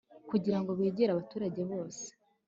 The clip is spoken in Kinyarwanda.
kugirango begere abaturage bose